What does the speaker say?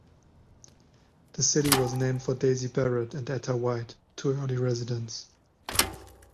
The city was named for Daisy Barrett and Etta White, two early residents.